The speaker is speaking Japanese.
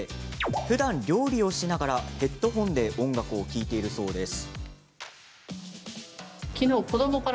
ふだん料理をしながらヘッドホンで音楽を聴いているそうです。